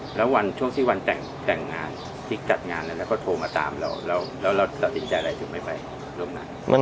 บ๊วยแล้วช่วงที่วันจัดงานแล้วก็โทรมาตามเราแล้วเราตัดสินใจอะไรถึงไม่ไปลงนั้น